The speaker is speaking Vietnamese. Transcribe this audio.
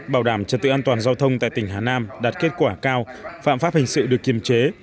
bảo đảm trật tự an toàn giao thông tại tỉnh hà nam đạt kết quả cao phạm pháp hình sự được kiềm chế